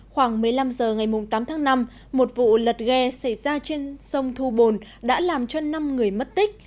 khoảng một mươi năm h ngày tám tháng năm một vụ lật ghe xảy ra trên sông thu bồn đã làm cho năm người mất tích